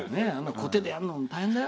こてでやるの、大変だよ。